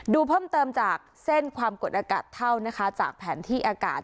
ดูเพิ่มเติมจากเส้นความกดอากาศเท่านะคะจากแผนที่อากาศ